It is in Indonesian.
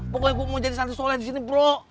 pokoknya gue mau jadi santri soleh disini bro